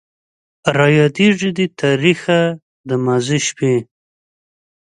رايادېږي دې تاريخه د ماضي شپې